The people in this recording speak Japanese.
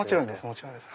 もちろんです。